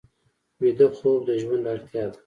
ویده خوب د ژوند اړتیا ده